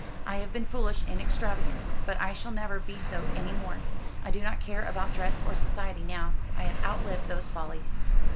I have been foolish and extravagant. But I shall never be so any more. I do not care about dress or society now. I have outlived those follies."